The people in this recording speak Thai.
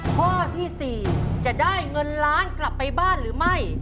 ข้อที่๔จะได้เงินล้านกลับไปบ้านหรือไม่